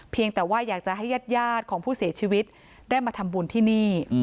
แต่ว่าอยากจะให้ญาติของผู้เสียชีวิตได้มาทำบุญที่นี่